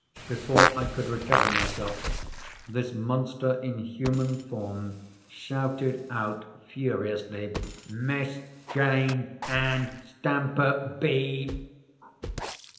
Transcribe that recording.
Before I could recover myself, this monster in human form shouted out furiously, "Miss Jane Ann Stamper be ——!"